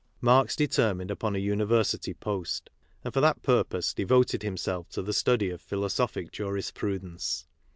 Marx determined upon a University post, and for that purpose devoted himself to the study of philosophic jurisprudence.